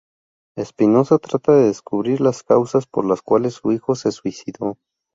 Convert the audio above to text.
Spinoza trata de descubrir las causas por las cuales su hijo se suicidó.